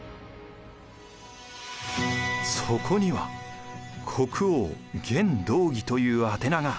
そこには「国王源道義」という宛名が。